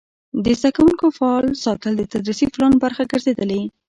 د زده کوونکو فعال ساتل د تدریسي پلان برخه ګرځېدلې.